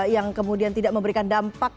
yang kemudian tidak memberikan dampak